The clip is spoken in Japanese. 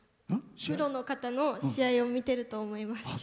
プロの方の試合を見てると思います。